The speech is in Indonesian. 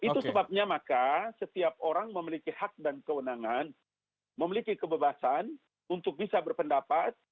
itu sebabnya maka setiap orang memiliki hak dan kewenangan memiliki kebebasan untuk bisa berpendapat